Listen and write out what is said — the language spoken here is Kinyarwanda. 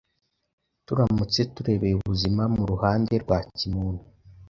Turamutse turebeye ubuzima mu ruhande rwa kimuntu,